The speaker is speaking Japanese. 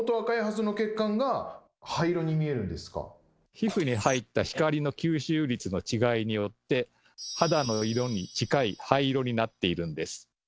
皮膚に入った光の吸収率の違いによって肌の色に近い灰色になっているんです。